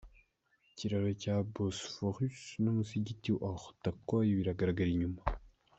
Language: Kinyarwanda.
Ikiraro cya Bosphorus numusigiti wa Ortaköy biragaragara inyuma.